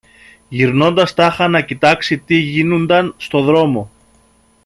γυρνώντας τάχα να κοιτάξει τι γίνουνταν στο δρόμο